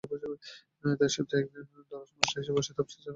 তাই সপ্তাহে একদিন দরস-মজলিসে বসে তাফসীর ছাড়া অন্য কিছুর আলোচনা করতেন না।